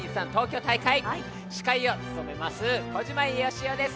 司会をつとめます小島よしおです。